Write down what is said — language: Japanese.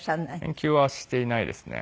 研究はしていないですね。